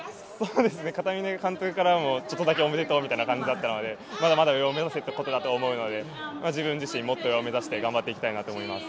片峯監督からもちょっとだけおめでとうみたいな感じだったのでまだまだ上を目指せということだと思うので、自分自身、もっと上を目指して頑張っていきたいと思います。